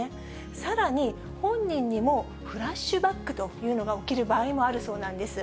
さらに、本人にもフラッシュバックというのが起きる場合もあるそうなんです。